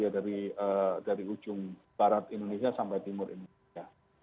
dari ujung barat indonesia sampai timur indonesia